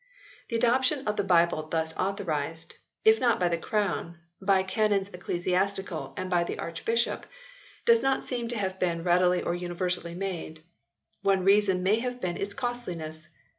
3 The adoption of the Bible thus authorized, 88 HISTORY OF THE ENGLISH BIBLE [OH. if not by the Crown, by Canons Ecclesiastical, and by the Archbishop, does not seem to have been readily or universally made. One reason may have been its costliness.